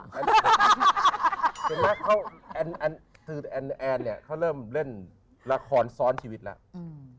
แอนแอนเนี่ยเขาเริ่มเล่นละครซ้อนชีวิตแล้วอืม